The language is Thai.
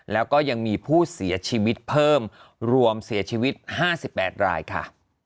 แล้วก็ยังมีผู้เสียชีวิตเพิ่มรวมเสียชีวิต๕๘รายค่ะ